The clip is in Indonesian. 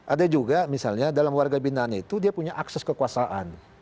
ada juga misalnya dalam warga binaan itu dia punya akses kekuasaan